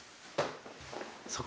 そこ。